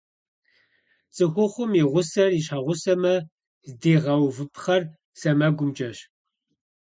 Цӏыхухъум и гъусэр и щхьэгъусэмэ, здигъэувыпхъэр сэмэгумкӀэщ.